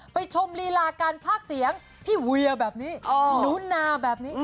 ชมลีลาการภาคเสียงพี่เวียแบบนี้นู้นนาแบบนี้